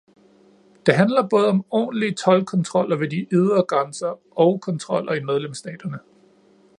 Det handler både om ordentlige toldkontroller ved de ydre grænser og kontroller i medlemsstaterne.